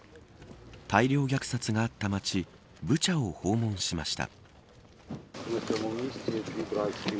大量虐殺があった街ブチャを訪問しました。